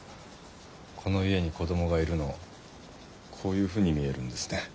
この家に子どもがいるのこういうふうに見えるんですね。